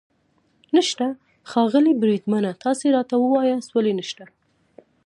نشته؟ ښاغلی بریدمنه، تاسې راته ووایاست ولې نشته.